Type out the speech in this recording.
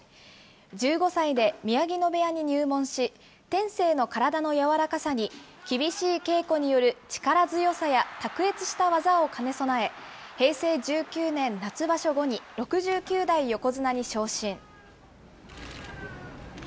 １５歳で宮城野部屋に入門し、天性の体の柔らかさに厳しい稽古による力強さや卓越した技を兼ね備え、平成１９年夏場所後に、６９代横綱に昇進。